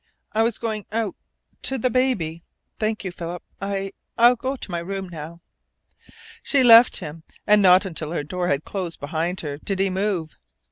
"I was going out to the baby. Thank you, Philip. I I will go to my room now." She left him, and not until her door had closed behind her did he move.